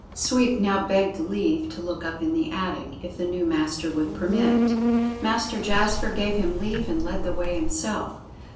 Sweep now begged leave to look up in the attic, if the new master would permit. Master Jasper gave him leave and led the way himself.